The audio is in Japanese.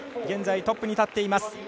現在トップに立っています。